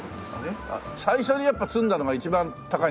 最初にやっぱ摘んだのが一番高いの？